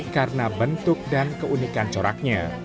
karena bentuk dan keunikan coraknya